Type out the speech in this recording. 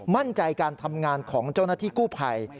มั่นใจการทำงานของเจ้าหน้าที่กู้ภัย